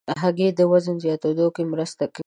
هګۍ د وزن زیاتېدو کې مرسته کوي.